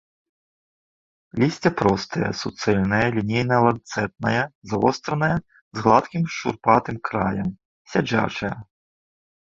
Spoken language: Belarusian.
Лісце простае, суцэльнае, лінейна-ланцэтнае, завостранае, з гладкім шурпатым краем, сядзячае.